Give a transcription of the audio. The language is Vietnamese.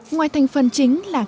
ngoài thành phần chính là cá